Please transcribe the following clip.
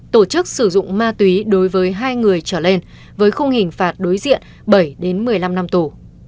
tổ chức sử dụng ma túy đối với hai người trở lên với khung hình phạt đối diện bảy một mươi năm năm tù